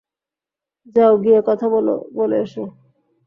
যাও, গিয়ে কথা বলে এসো।